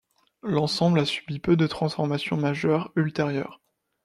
L'ensemble a subi peu de transformations majeures ultérieures.